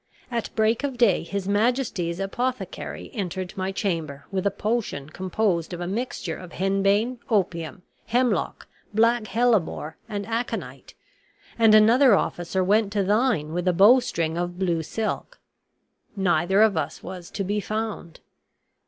At break of day his majesty's apothecary entered my chamber with a potion composed of a mixture of henbane, opium, hemlock, black hellebore, and aconite; and another officer went to thine with a bowstring of blue silk. Neither of us was to be found.